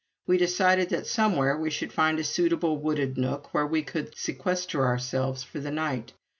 We decided that somewhere we should find a suitable wooded nook where we could sequester ourselves for the night.